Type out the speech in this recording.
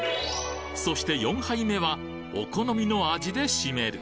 そして４杯目は、お好みの味で締める。